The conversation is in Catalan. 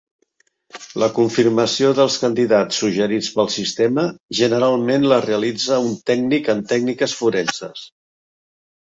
La confirmació dels candidats suggerits pel sistema generalment la realitza un tècnic en tècniques forenses.